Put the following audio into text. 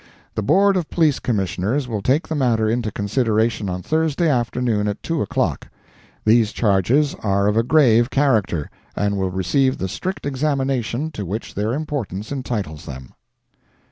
The Board of Police Commissioners will take the matter into consideration on Thursday afternoon at two o'clock. These charges are of a grave character, and will receive the strict examination to which their importance entitles them.